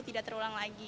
tidak terulang lagi